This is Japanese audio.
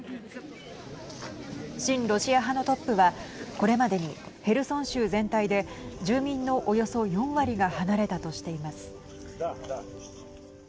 親ロシア派のトップはこれまでにヘルソン州全体で住民のおよそ４割が離れたとしています。